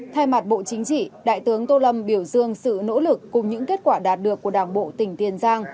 thay mặt bộ chính trị đại tướng tô lâm biểu dương sự nỗ lực cùng những kết quả đạt được của đảng bộ tỉnh tiền giang